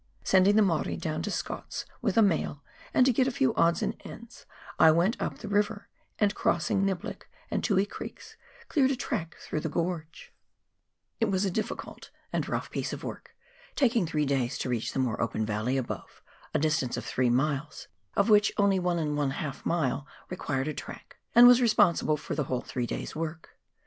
Sending the Maori down to Scott's with a mail and to get a few odds and ends, I went up the river and, crossing Niblick and Tui Creeks, cleared a track through the gorge. It was a 202 PIONEER WORK IN THE ALPS OF NEW ZEALAND. difficult and rough piece of work, taking three days to reach the more open valley above, a distance of three miles, of which only one and a half mile required a track, and was responsible for the whole three days' work.